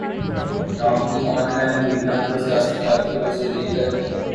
نامی online دنیا کو سیاسی کارکنوں سے لے کر